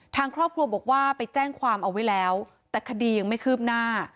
ทางครอบครัวบอกว่าไปแจ้งความเอาไว้แล้วแต่คดียังไม่คืบหน้า